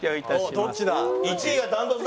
どっちだ？